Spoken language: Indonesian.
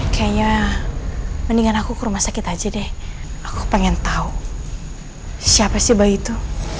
kayaknya mendingan aku ke rumah sakit aja deh aku pengen tahu siapa sih bayi itu